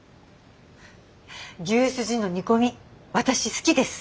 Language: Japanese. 牛すじの煮込み私好きです。